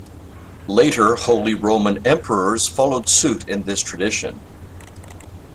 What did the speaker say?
Later Holy Roman Emperors followed suit in this tradition.